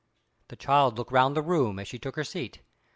The child looked round the room as she took her seat.